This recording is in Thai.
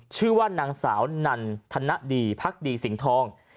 ชื่อว่านางสาวนันธนดีพักดีสิงห์ทอง